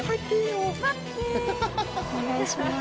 お願いします。